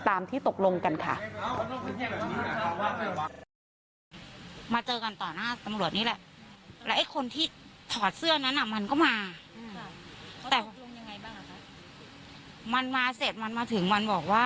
ตามที่ตกลงกันค่ะ